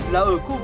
là ở khu vực này